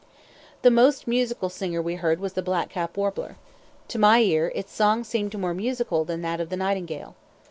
The most musical singer we heard was the blackcap warbler. To my ear its song seemed more musical than that of the nightingale.